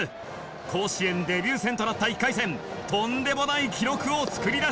甲子園デビュー戦となった１回戦とんでもない記録を作りました。